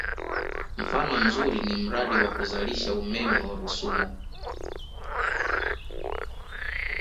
Mfano mzuri ni mradi wa kuzalisha umeme wa Rusumo